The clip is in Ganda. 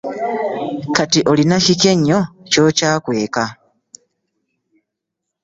Kati olina kiki ennyo ky'okyakweka?